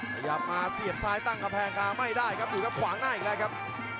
ขยับมาเสียบซ้ายตั้งกำแพงกาไม่ได้ครับดูครับขวางหน้าอีกแล้วครับ